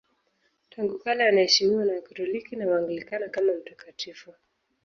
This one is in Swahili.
Tangu kale anaheshimiwa na Wakatoliki na Waanglikana kama mtakatifu.